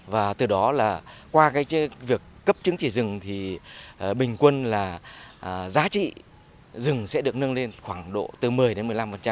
và từ đó là qua cái việc cấp chứng chỉ rừng thì bình quân là giá trị rừng sẽ được nâng lên khoảng độ từ một mươi đến một mươi năm